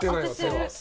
そうです。